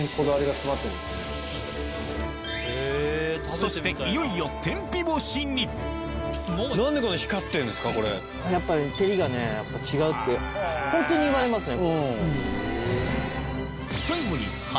そしていよいよやっぱり照りがね違うってホントに言われますね。